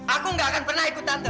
aku gak akan pernah ikut tante